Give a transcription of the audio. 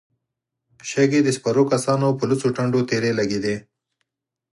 شګې د سپرو کسانو پر لوڅو ټنډو تېرې لګېدې.